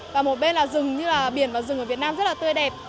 và một bên là rừng như là biển và rừng ở việt nam rất là tươi đẹp